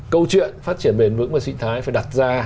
câu chuyện phát triển bền vững và sinh thái phải đặt ra